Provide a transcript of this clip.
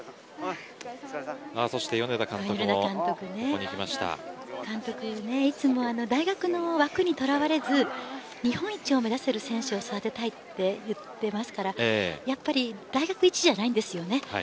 そして米田監督も監督はいつも大学の枠にとらわれず日本一を目指せる選手を育てたいと言っていますからやっぱり大学一じゃないんです。